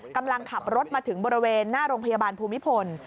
กำลังขับรถมาถึงบริเวณหน้าโรงพยาบาลภูมิพล